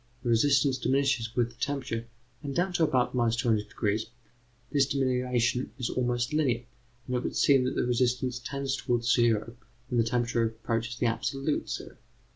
The resistance diminishes with the temperature, and, down to about 200°, this diminution is almost linear, and it would seem that the resistance tends towards zero when the temperature approaches the absolute zero.